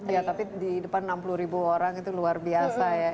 ya tapi di depan enam puluh ribu orang itu luar biasa ya